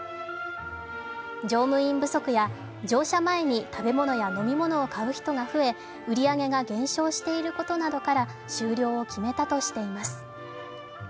乗務員不足や乗車前に食べ物や飲み物を買う人が増え、売り上げが減少していることなどから終了を決めたとしています。